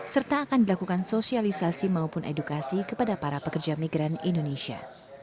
serta akan dilakukan sosialisasi maupun edukasi kepada para pekerja migran indonesia